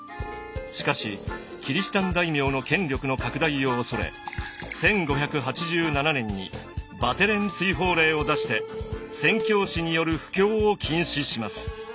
しかしキリシタン大名の権力の拡大を恐れ１５８７年にバテレン追放令を出して宣教師による布教を禁止します。